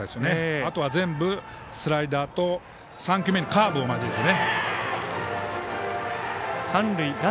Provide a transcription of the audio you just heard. あとは全部、スライダーと３球目にカーブを交えてね。